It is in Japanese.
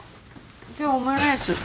今日オムライス。